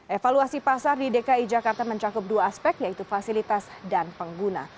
evaluasi pasar di dki jakarta mencakup dua aspek yaitu fasilitas dan pengguna